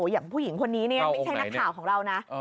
อย่างผู้หญิงคนนี้ไม่ใช่นักข่าวของเรานะ